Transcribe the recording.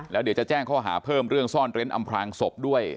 แล้วเดี๋ยวจะแจ้งข้อหาเพิ่มเรื่องซ่อนเร้นอำพลางศพด้วย